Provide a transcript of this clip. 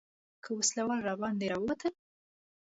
که وسله وال راباندې راووتل.